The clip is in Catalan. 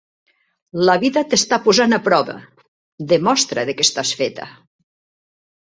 La vida t'està posant a prova. Demostra de què estàs feta!